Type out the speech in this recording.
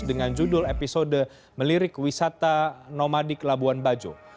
dengan judul episode melirik wisata nomadik labuan bajo